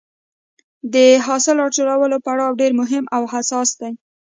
د حاصل راټولولو پړاو ډېر مهم او حساس دی.